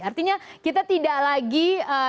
artinya kita tidak lagi